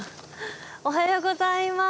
おはようございます。